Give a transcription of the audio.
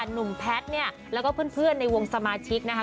แพทย์เนี่ยแล้วก็เพื่อนในวงสมาชิกนะคะ